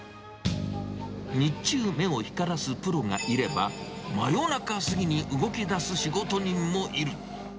日中目を光らすプロがいれば、真夜中過ぎに動きだす仕事人もいる。